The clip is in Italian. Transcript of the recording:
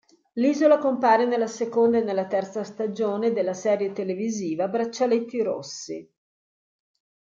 L'isola compare nella seconda e nella terza stagione della serie televisiva Braccialetti Rossi.